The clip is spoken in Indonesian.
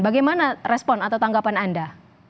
bagaimana respon atau tanggapan anda